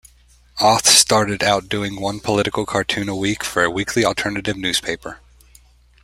Auth started out doing one political cartoon a week for a weekly alternative newspaper.